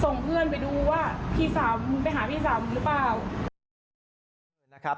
ส่งเพื่อนไปดูว่าพี่สาวมึงไปหาพี่สาวมึงหรือเปล่า